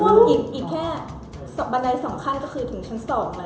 แล้วแค่สอบบาดใดสองขั้นคือถึงชั้น๒